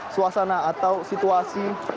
suasana atau situasi